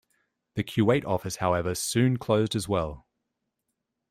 The Kuwait office however soon closed as well.